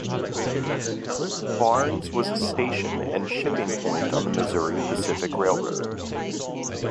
Barnes was a station and shipping point on the Missouri Pacific Railroad.